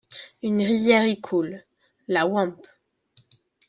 Une rivière y coule, la Wampe.